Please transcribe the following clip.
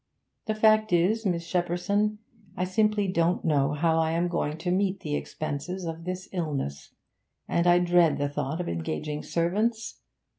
The fact is, Miss Shepperson, I simply don't know how I am going to meet the expenses of this illness, and I dread the thought of engaging servants.